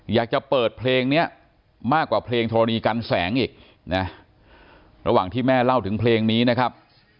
อยากจะเปิดเพลงนี้มากกว่าเพลงธรณีกันแสงอีกนะระหว่างที่แม่เล่าถึงเพลงนี้นะครับ